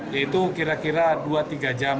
yaitu kira kira dua tiga jam